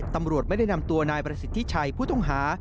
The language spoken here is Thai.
ตำรวจไม่ได้นำตัวนายประสิทธิชัยผู้ต้องหา